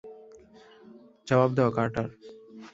জবাব দাও, কার্টার!